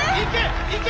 いけ！